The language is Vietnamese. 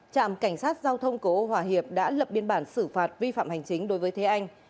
trạm cảnh sát giao thông cổ ô hòa hiệp đã lập biên bản xử phạt vi phạm hành chính đối với thế anh